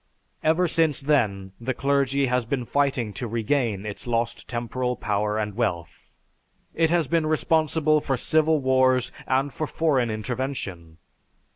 Ever since then, the clergy has been fighting to regain its lost temporal power and wealth. It has been responsible for civil wars and for foreign intervention."